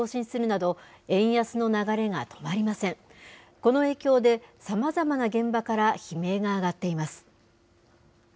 この影響でさまざまな現場から悲鳴が上がっています。